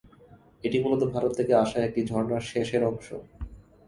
এটি মূলত ভারত থেকে আসা একটি ঝর্ণার শেষের অংশ।